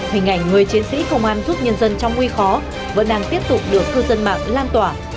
hình ảnh người chiến sĩ công an giúp nhân dân trong nguy khó vẫn đang tiếp tục được cư dân mạng lan tỏa